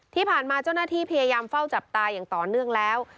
ที่ผ่านมาเจ้าหน้าที่พยายามเฝ้าจับตาอย่างต่อเนื่องแล้ว